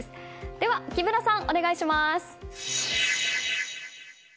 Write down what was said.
では木村さん、お願いします。